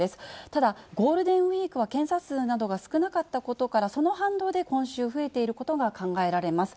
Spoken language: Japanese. ただ、ゴールデンウィークは検査数などが少なかったことから、その反動で、今週増えていることが考えられます。